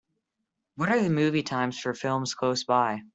What are the movie times for films close by